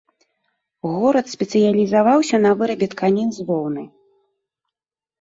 Горад спецыялізаваўся на вырабе тканін з воўны.